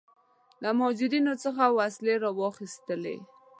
له مهاجرینو څخه وسلې واخیستلې.